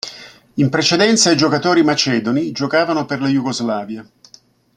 In precedenza i giocatori macedoni giocavano per la Jugoslavia.